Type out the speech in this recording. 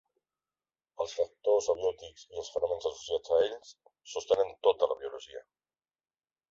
Els factors abiòtics i els fenòmens associats a ells sostenen tota la biologia.